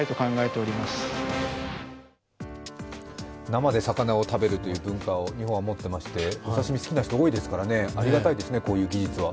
生で魚を食べるという文化を日本は持っていましてお刺身、好きな人が多いですから、ありがたいですね、こういう技術は。